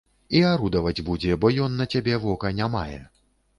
І арудаваць будзе, бо ён на цябе вока не мае.